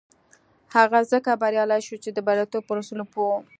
هغه ځکه بريالی شو چې د برياليتوب پر اصولو پوه و.